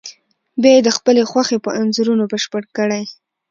بیا یې د خپلې خوښې په انځورونو بشپړ کړئ.